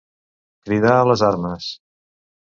Cridar a les armes.